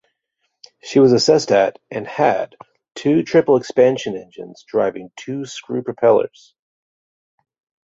She was assessed at and had two triple expansion engines driving two screw propellers.